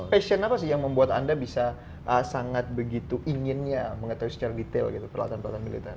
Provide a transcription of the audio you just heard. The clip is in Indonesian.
passion apa sih yang membuat anda bisa sangat begitu inginnya mengetahui secara detail peralatan peralatan militer